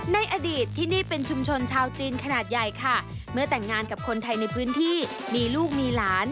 ในอดีตที่นี่เป็นชุมชนชาวจีนขนาดใหญ่ค่ะเมื่อแต่งงานกับคนไทยในพื้นที่มีลูกมีหลาน